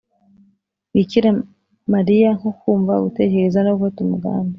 bikira mariya nko kumva, gutekereza no gufata umugambi,